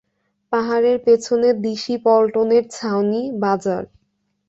পাহাড়ের পেছনে দিশী পল্টনের ছাউনি, বাজার।